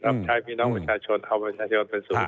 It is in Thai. รับใช้พี่น้องประชาชนเอาประชาชนเป็นศูนย์